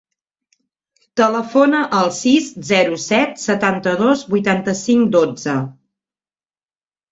Telefona al sis, zero, set, setanta-dos, vuitanta-cinc, dotze.